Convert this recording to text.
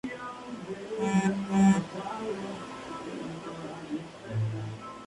Capitán Avaricia: Es interpretado por Sergio de Bustamante en la versión en español.